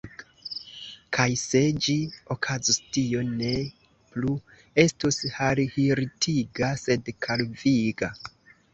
Kaj se ĝi okazus, tio ne plu estus harhirtiga, sed kalviga.